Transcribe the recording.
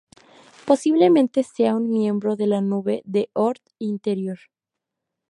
Posiblemente sea un miembro de la nube de Oort interior.